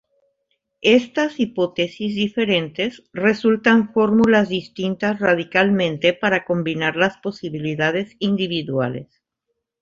Estas hipótesis diferentes resultan fórmulas distintas radicalmente para combinar las probabilidades individuales.